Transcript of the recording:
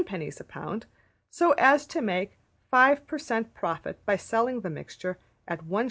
\ a pound so as to make 5 per cent.\ profit by selling the mixture at 1s.